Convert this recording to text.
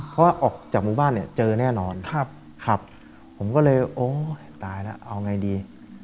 เพราะว่าออกจากหมู่บ้านเนี่ยเจอแน่นอนครับผมก็เลยโอ้ตายแล้วเอาไงดี